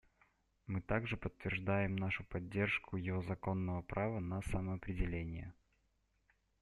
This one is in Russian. Мы также подтверждаем нашу поддержку его законного права на самоопределение.